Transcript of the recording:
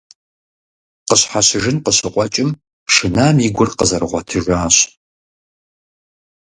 Къыщхьэщыжын къыщыкъуэкӀым, шынам и гур къызэрыгъуэтыжащ.